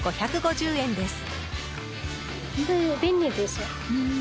５５０円です。